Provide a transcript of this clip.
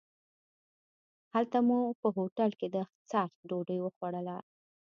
هلته مو په هوټل کې د څاښت ډوډۍ وخوړله.